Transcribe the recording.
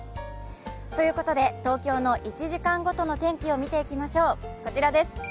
ということで、東京の１時間ごとの天気を見ていきましょう。